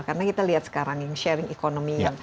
karena kita lihat sekarang yang sharing economy